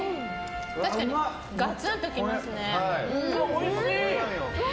確かにガツンときますね。